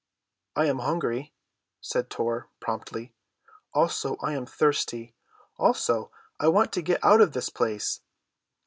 "I am hungry," said Tor promptly. "Also, I am thirsty. Also, I want to get out of this place."